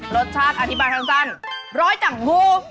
รสชาติอธิบายสั้นร้อยจังฮู